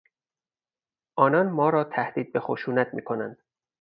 آنان ما را تهدید به خشونت میکنند.